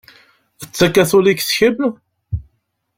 D takatulikt kemm?